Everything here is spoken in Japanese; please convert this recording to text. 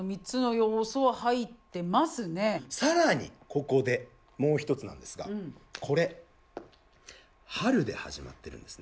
ここでもう一つなんですがこれ「春」で始まってるんですね。